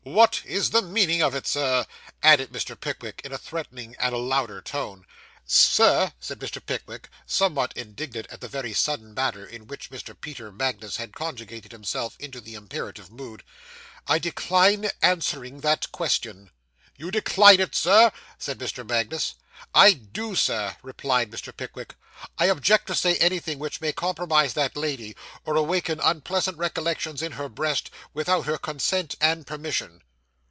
What is the meaning of it, Sir?' added Mr. Magnus, in a threatening, and a louder tone. 'Sir,' said Mr. Pickwick, somewhat indignant at the very sudden manner in which Mr. Peter Magnus had conjugated himself into the imperative mood, 'I decline answering that question.' 'You decline it, Sir?' said Mr. Magnus. 'I do, Sir,' replied Mr. Pickwick; 'I object to say anything which may compromise that lady, or awaken unpleasant recollections in her breast, without her consent and permission.